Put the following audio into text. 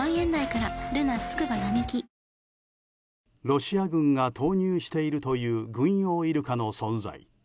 ロシア軍が投入しているという軍用イルカの存在。